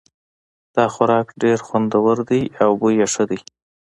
دا خوراک ډېر خوندور ده او بوی یې ښه ده